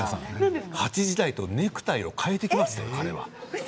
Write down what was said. ８時台とネクタイを替えてきましたよ、彼は。